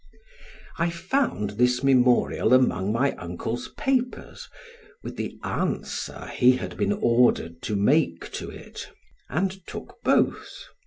] I found this memorial among my uncle's papers, with the answer he had been ordered to make to it, and took both.